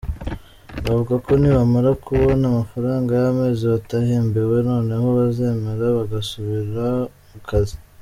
Bavuga ko nibamara kubona amafaranga y’amezi batahembewe noneho bazemera bagasubira mu kazi.